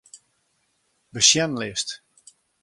Besjenlist.